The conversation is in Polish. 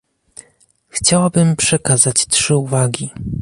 Chciałabym przekazać trzy uwagi